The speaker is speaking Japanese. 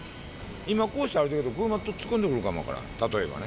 今こうして歩いてるけど、車が突っ込んでくるかも分からない、例えばね。